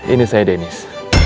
ini saya denis